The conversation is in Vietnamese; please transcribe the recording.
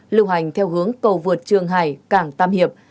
lưu hành theo hướng cầu vượt trường hải cảng tam hiệp